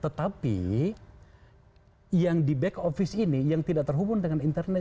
tetapi yang di back office ini yang tidak terhubung dengan internet